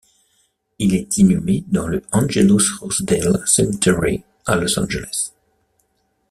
Il est inhumé dans le Angelus Rosedale Cemetery à Los Angeles.